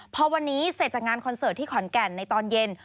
พอวันนี้เสร็จจากงานคอนเสิร์ตที่ขอนแก่นในตอนเย็น